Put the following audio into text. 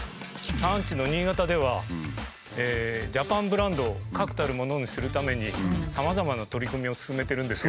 産地の新潟ではジャパンブランドを確たるものにするためにさまざまな取り組みを進めてるんですよ。